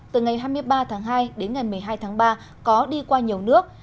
từ ngày hai mươi ba tháng hai đến ngày một mươi hai tháng ba có đi qua nhiều nước